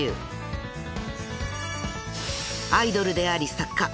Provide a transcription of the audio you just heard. ［アイドルであり作家］